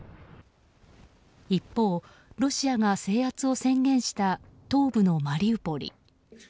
一方、ロシアが制圧を宣言した東部のマリウポリ。